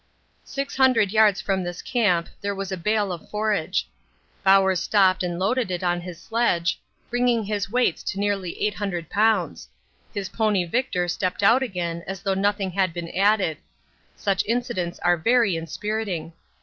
Six hundred yards from this camp there was a bale of forage. Bowers stopped and loaded it on his sledge, bringing his weights to nearly 800 lbs. His pony Victor stepped out again as though nothing had been added. Such incidents are very inspiriting.